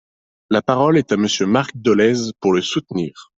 La parole est à Monsieur Marc Dolez, pour le soutenir.